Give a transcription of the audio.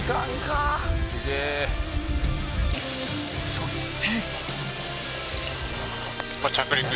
［そして］